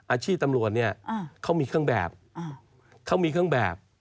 อาชีพตำรวจเขามีเครื่องแบบ